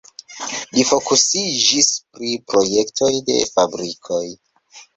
Li fokusiĝis pri projektoj de fabrikoj.